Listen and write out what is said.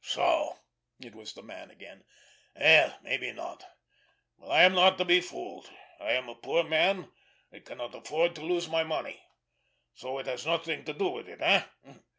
"So!" It was the man again. "Well, maybe not! But I am not to be fooled! I am a poor man. I cannot afford to lose my money. So, it has nothing to do with it, eh?